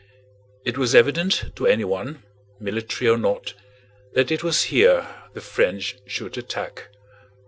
It was evident to anyone, military or not, that it was here the French should attack.